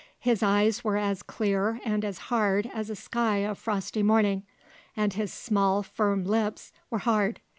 His eyes were as clear and as hard as a sky of frosty morning, and his small, firm lips were hard.